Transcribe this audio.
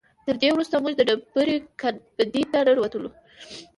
تر دې وروسته موږ د ډبرې ګنبدې ته ننوتلو.